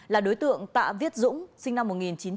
là đối tượng tạ viết dũng sinh năm một nghìn chín trăm chín mươi hai